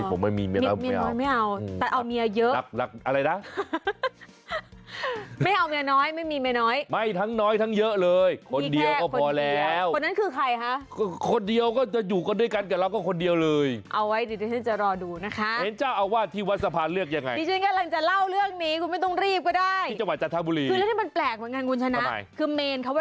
ผมไม่มีเมียน้อยผมไม่เอา